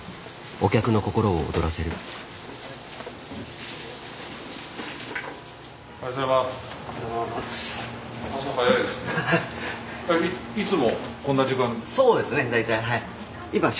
おはようございます。